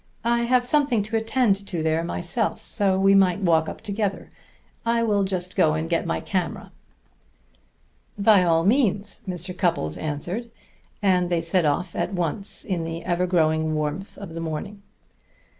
I have something to attend to there myself, so we might walk up together. I will just go and get my camera." "By all means," Mr. Cupples answered; and they set off at once in the ever growing warmth of the morning.